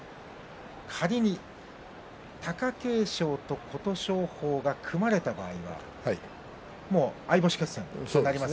仮に貴景勝と琴勝峰が組まれた場合は相星決戦です。